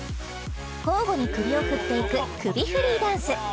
１交互に首を振っていく首振りダンス